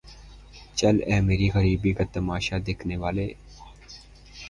چل اے میری غریبی کا تماشا دیکھنے والے